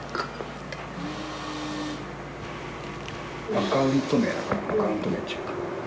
アカウント名アカウント名にしようか。